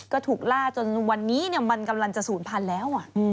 ก็ถูกล่าจนวันนี้มันกำลังจะศูนย์พันธุ์แล้ว